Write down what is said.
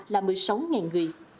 là một mươi sáu người